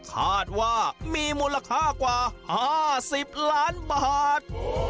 คาดว่ามีมูลค่ากว่า๕๐ล้านบาท